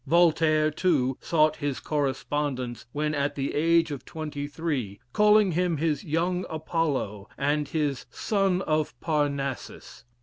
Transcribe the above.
Voltaire, too, sought his correspondence when at the age of twenty three, calling him his "Young Apollo," and his "Son of Parnassus."